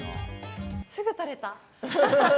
すぐ取れた。